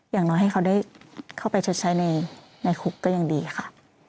อย่างน้อยให้เขาได้เข้าไปชดใช้ในคุกก็ยังดีค่ะ